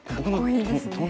かっこいいですね。